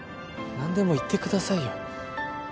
何でも言ってくださいよ。